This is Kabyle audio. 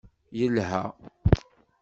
Yelha.